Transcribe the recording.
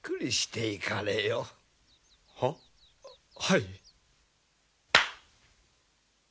はい。